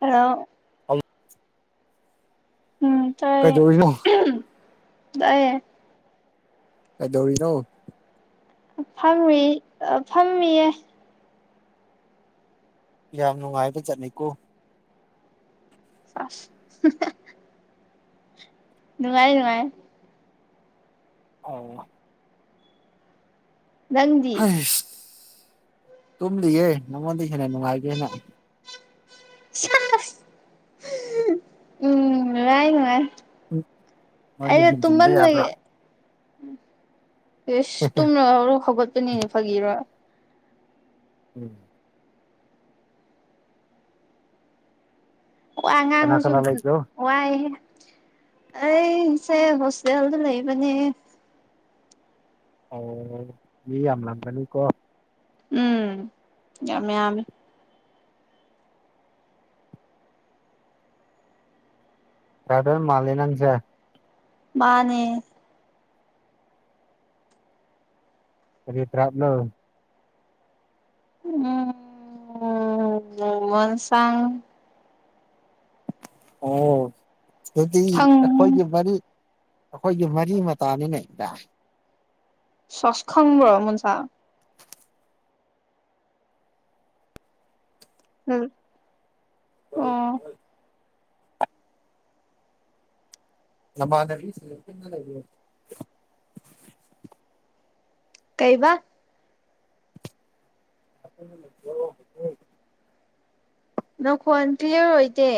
ꯑꯣ ꯑꯧ ꯎꯝ ꯇꯥꯏ ꯀꯩꯗꯧꯔꯤꯅꯣ ꯇꯏꯌꯦ ꯀꯩꯗꯧꯔꯤꯅꯣ ꯐꯝꯃꯤ ꯐꯝꯃꯤꯌꯦ ꯌꯥꯝ ꯅꯨꯡꯉꯥꯏꯕ ꯆꯠꯅꯤꯀꯣ ꯑ ꯅꯨꯡꯉꯥꯏ ꯅꯨꯡꯉꯥꯏ ꯑꯣ ꯅꯪꯗꯤ ꯍꯩꯁ ꯇꯨꯝꯂꯤꯌꯦ ꯅꯉꯣꯟꯗꯤꯦꯅ ꯅꯨꯡꯉꯥꯏꯒꯦꯅ ꯎꯝ ꯋꯥꯥꯏꯅꯉꯥꯏ ꯅꯣꯏꯅ ꯑꯩꯗ ꯇꯨꯃ ꯍꯦꯟꯖꯤꯟꯕ ꯅꯣꯏ ꯌꯥꯕ꯭ꯔꯣ ꯑꯦꯁ ꯇꯨꯝꯅꯔꯣ ꯍꯧꯒꯠꯄꯅꯤꯅꯦ ꯐꯒꯤꯔꯣ ꯎꯝ ꯋꯥ ꯀꯅꯥ ꯉꯥꯡꯉꯨꯁꯨ ꯀꯅꯥ ꯂꯩꯕ꯭ꯔꯣ ꯋꯥꯏꯦ ꯑꯩꯁꯦ ꯍꯣꯁꯇꯦꯜꯗ ꯂꯩꯕꯅꯤ ꯑꯣ ꯃꯤ ꯌꯥꯝ ꯂꯥꯡꯒꯅꯤꯀꯣ ꯎꯝ ꯌꯥꯝꯃꯤ ꯇꯗ ꯃꯥꯂꯅꯪꯖꯦ ꯃꯥꯅꯦ ꯀꯔꯤꯠꯇ꯭ꯔꯥꯞꯅ ꯎꯝ ꯎꯃꯣꯟ ꯁꯥꯡ ꯑꯣ ꯈꯪ ꯀꯣꯏꯒꯤ ꯃꯔꯔꯤ ꯑꯩꯈꯣꯏꯒꯤ ꯃꯔꯤ ꯃꯇꯥꯅꯤꯅꯦ ꯏꯗ ꯁꯁꯈꯪꯕ꯭ꯔꯣ ꯃꯆꯥ ꯎꯝ ꯍꯣꯏ ꯍ ꯅꯃꯥꯅꯥꯕꯤ ꯀꯩꯕ [inaudible] ꯅꯈꯣꯟ ꯀ꯭ꯂꯤꯌꯥꯔ ꯑꯣꯏꯗꯦ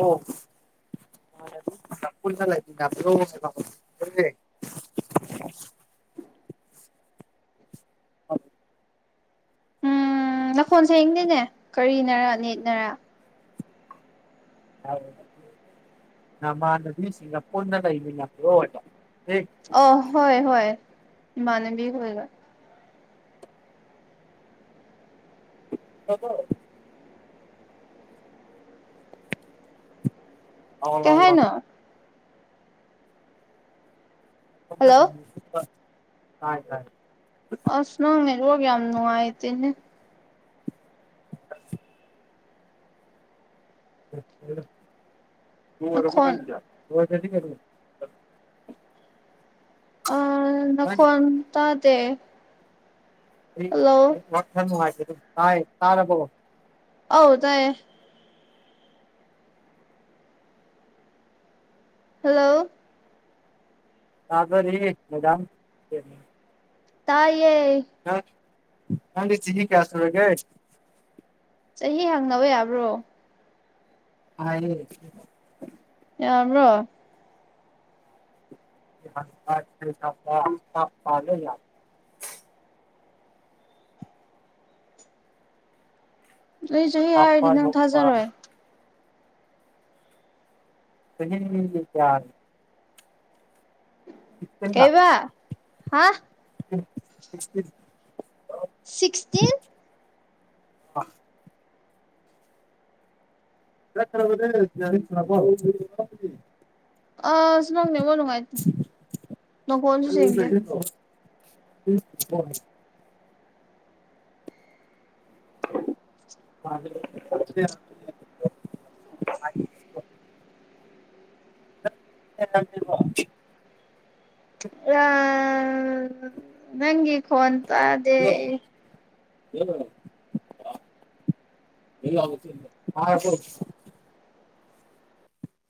ꯑꯣ [inaudible] [unintelligible] [unintelligible] [inaudible] ꯑ ꯎꯝ ꯂꯈꯣꯟ ꯁꯌꯦꯤꯡꯗꯤꯅꯦ ꯀꯔꯤꯅꯔ ꯅꯦꯠꯅꯔ ꯃꯥꯃ ꯅꯗꯤꯁꯤꯡꯒꯥꯄꯅ ꯂꯩ ꯂꯩꯃꯤꯟꯅ ꯋꯥ ꯑ ꯍꯣꯏ ꯍꯣꯏ ꯏꯅꯕꯤ ꯑꯣꯏꯒ ꯍꯕꯣ ꯀꯩ ꯑꯧꯅꯅ ꯍꯥꯏꯅꯣ ꯍꯜꯂꯣ ꯍꯥꯏꯥꯏꯥꯏ ꯑꯁ ꯅꯉ ꯔꯣꯒꯦ ꯑꯝꯅ ꯍꯥꯏ ꯇꯅꯦ [unintelligible] ꯅꯈꯣꯟ ꯃ ꯔꯦꯗꯤ ꯑ ꯅꯈꯣꯟꯟ ꯇꯗ ꯋꯥꯊꯔꯅꯨꯡ ꯍꯥꯏꯦ ꯇꯥꯏ ꯇꯥꯔꯔꯕꯣ ꯑꯧ ꯇꯌꯦ ꯍꯜꯂꯣ ꯑꯕꯔꯤ ꯃꯗꯥ ꯇꯥꯏꯦ ꯍ ꯆꯍꯤ ꯀꯌꯥ ꯁꯂꯒꯦ ꯆꯍꯤ ꯍꯪꯅꯕ ꯌꯥꯕ꯭ꯔꯣ ꯑ ꯌꯥ꯭ꯔꯣ ꯄꯥꯂꯦ ꯌꯥ ꯑꯩꯁꯨ ꯍ ꯍꯥꯏꯔꯗꯤ ꯅꯪ ꯊꯥꯖꯔꯣꯏ ꯆꯍꯤꯍ ꯀꯌꯥ ꯀꯩꯕꯥ ꯍꯥ ꯁꯤꯛꯁꯇꯤ ꯁꯤꯛꯁꯇꯤꯟ ꯑꯣ ꯌꯥ ꯈ꯭ꯔꯦ ꯌꯥ ꯑ ꯁꯅꯅꯦ ꯃꯣꯂꯅꯨꯡꯉꯥꯏ ꯅ ꯀꯣꯟꯁꯨ ꯁꯦꯡꯗꯦ ꯎ ꯍ [unintelligible] ꯑ [unintelligible] ꯑ ꯅꯪꯤ ꯀ ꯍꯇꯗꯦ [unintelligible]